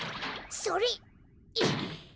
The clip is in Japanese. それ！